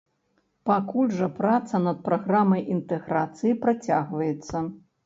Пакуль жа праца над праграмай інтэграцыі працягваецца.